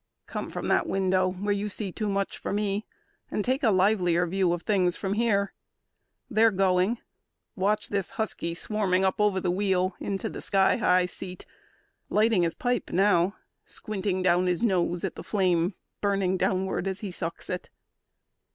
"Come from that window where you see too much for me, And take a livelier view of things from here. They're going. Watch this husky swarming up Over the wheel into the sky high seat, Lighting his pipe now, squinting down his nose At the flame burning downward as he sucks it."